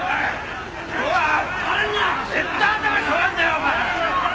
おい！